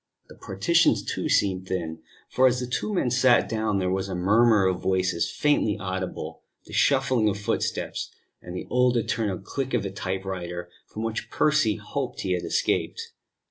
The partitions, too, seemed thin; for as the two men sat down there was a murmur of voices faintly audible, the shuffling of footsteps, and the old eternal click of the typewriter from which Percy hoped he had escaped.